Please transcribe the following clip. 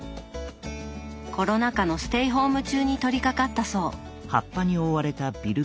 コロナ禍のステイホーム中に取りかかったそう。